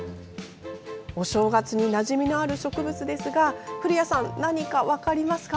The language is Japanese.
お正月になじみのある植物ですが古谷さん、何か分かりますか？